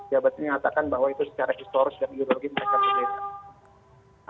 jabat ini menyatakan bahwa itu secara historis dan ideologis mereka berbeda